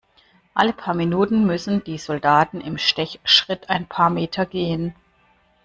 Alle paar Minuten müssen die Soldaten im Stechschritt ein paar Meter gehen.